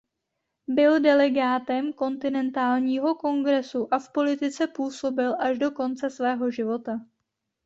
Byl delegátem kontinentálního kongresu a v politice působil až do konce svého života.